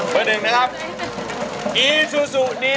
เพลงที่สี่